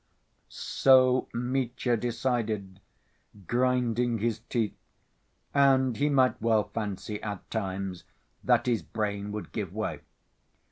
So Mitya decided, grinding his teeth, and he might well fancy at times that his brain would give way.